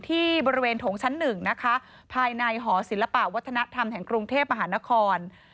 ที่บริเวณโถงชั้นหนึ่งนะคะภายในหอศิลปะวัฒนธรรมแห่งกรุงเทพมหานคร